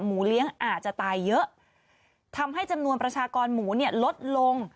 เลี้ยงอาจจะตายเยอะทำให้จำนวนประชากรหมูเนี่ยลดลง